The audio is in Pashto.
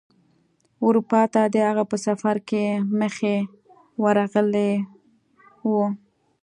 اروپا ته د هغه په سفر کې مخې ورغلی و.